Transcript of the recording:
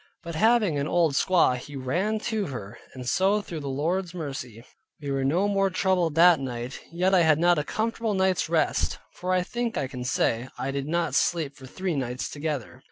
But having an old squaw he ran to her; and so through the Lord's mercy, we were no more troubled that night. Yet I had not a comfortable night's rest; for I think I can say, I did not sleep for three nights together.